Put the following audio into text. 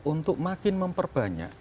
untuk makin memperbanyak